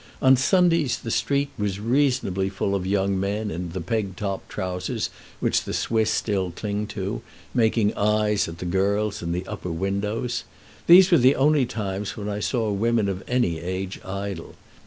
On Sundays the street was reasonably full of young men in the peg top trousers which the Swiss still cling to, making eyes at the girls in the upper windows. These were the only times when I saw women of any age idle.